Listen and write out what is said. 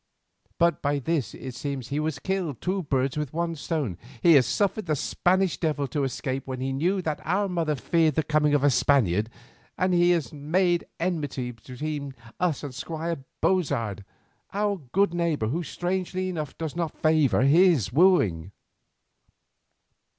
But by this it seems he has killed two birds with one stone, he has suffered the Spanish devil to escape when he knew that our mother feared the coming of a Spaniard, and he has made enmity between us and Squire Bozard, our good neighbour, who strangely enough does not favour his wooing."